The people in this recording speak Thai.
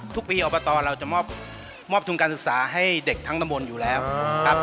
ทุกปีอบตเราจะมอบทุนการศึกษาให้เด็กทั้งตำบลอยู่แล้วครับ